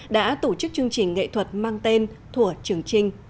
đã tổ chức chương trình nghệ thuật mang tên thủa trường trinh